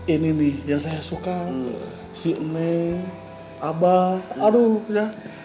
ini nih yang saya suka si mie abah aduh ya